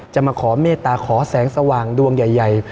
มาขอเมตตาขอแสงสว่างดวงใหญ่